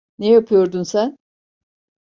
Ne yapıyordun sen?